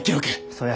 そや。